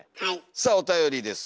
さあおたよりです。